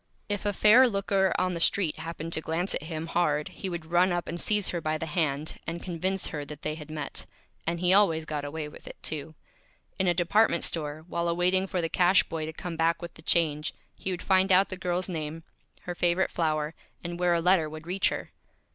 If a Fair Looker on the Street happened to glance at him Hard he would run up and seize her by the Hand, and convince her that they had Met. And he always Got Away with it, too. In a Department Store, while awaiting for the Cash Boy to come back with the Change, he would find out the Girl's Name, her Favorite Flower, and where a Letter would reach her.